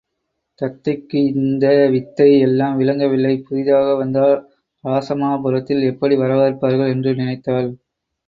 தத்தைக்கு இந்த வித்தை எல்லாம் விளங்கவில்லை புதிதாக வந்தால் இராசமாபுரத்தில் இப்படி வரவேற்பார்கள் என்று நினைத்தாள்.